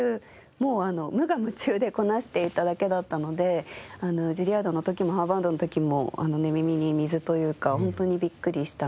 もうあの無我夢中でこなしていただけだったのでジュリアードの時もハーバードの時も寝耳に水というかホントにビックリしたんですけど。